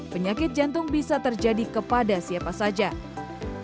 penyakit jantung bisa terjadi kepada siapa saja dokter spesialis jantung dan berkandungan di kota